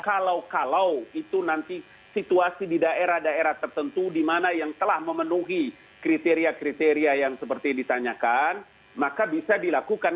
kalau kalau itu nanti situasi di daerah daerah tertentu di mana yang telah memenuhi kriteria kriteria yang seperti ditanyakan maka bisa dilakukan